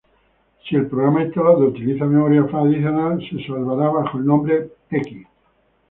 Si el programa instalado utiliza Memoria Fast adicional, será salvada bajo el nombre ".whdl_expmem".